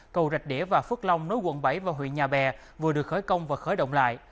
cầu rạch đĩa và phước long nối quận bảy và huyện nhà bè vừa được khởi công và khởi động lại